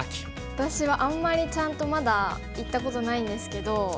私はあんまりちゃんとまだ行ったことないんですけど。